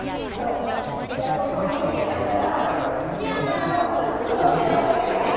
エアコン、この辺にあったら、右側のこの辺を開けてください。